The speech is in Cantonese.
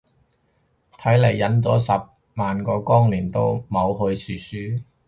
睇嚟係忍咗十萬個光年冇去殊殊